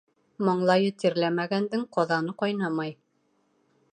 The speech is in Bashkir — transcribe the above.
Маңлайы тирләмәгәндең ҡаҙаны ҡайнамай.